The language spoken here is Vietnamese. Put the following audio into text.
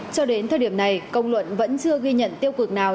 cho đến thời điểm này công luận vẫn chưa ghi nhận tiêu cực nào